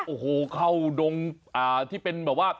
โอ้โหเข้าดงที่เป็นแบบว่า